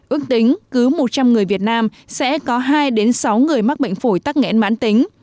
ước tính cứ một trăm linh người việt nam sẽ có hai sáu người mắc bệnh phổi tắc nghẽn mãn tính